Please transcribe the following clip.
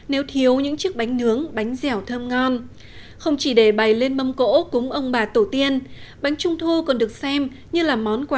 nếu thí nghiệm của các bạn